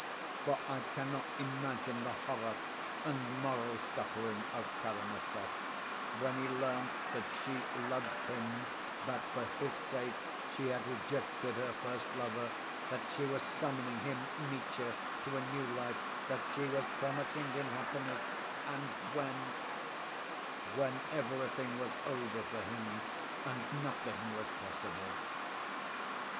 For I cannot imagine the horror and moral suffering of Karamazov when he learnt that she loved him, that for his sake she had rejected her first lover, that she was summoning him, Mitya, to a new life, that she was promising him happiness—and when? When everything was over for him and nothing was possible!